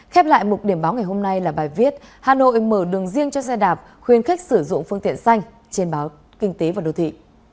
khép lại một điểm báo ngày hôm nay là bài viết hà nội mở đường riêng cho xe đạp khuyên khách sử dụng phương tiện xanh trên báo kinh tế và đồ thị